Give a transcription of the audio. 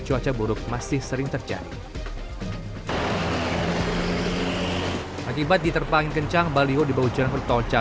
cuaca buruk masih sering terjadi akibat diterpangin kencang baliode hujan bertolca